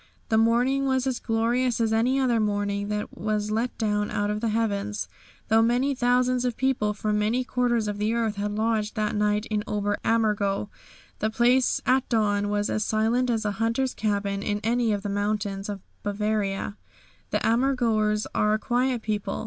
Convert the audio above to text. The morning was as glorious as any other morning that was let down out of the heavens. Though many thousands of people from many quarters of the earth had lodged that night in Ober Ammergau, the place at dawn was as silent as a hunter's cabin in any of the mountains of Bavaria. The Ammergauers are a quiet people.